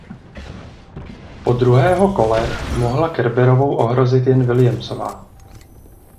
Po druhého kole mohla Kerberovou ohrozit jen Williamsová.